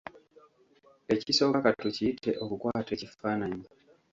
Ekisooka katukiyite; okukwata ekifaananyi.